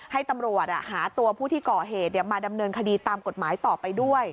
ให้ตำรวจหาตัวผู้ที่ก่อเหตุมาดำเนินคดีตามกฎหมายต่อไปด้วย